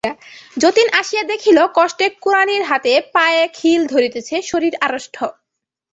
যতীন আসিয়া দেখিল, কষ্টে কুড়ানির হাতে পায়ে খিল ধরিতেছে, শরীর আড়ষ্ট।